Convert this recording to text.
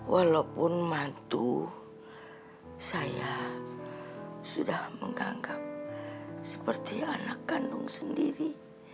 walaupun mantu saya sudah menganggap seperti anak kandung sendiri